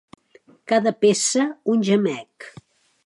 Cada peça un gemec.